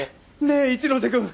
ねえ一ノ瀬くん。